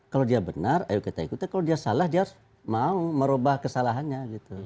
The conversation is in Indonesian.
kalau dia benar ayo kita ikutin kalau dia salah dia mau merubah kesalahannya